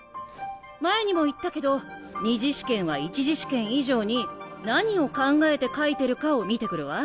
前にも言ったけど２次試験は１次試験以上に何を考えて描いてるかを見てくるわ。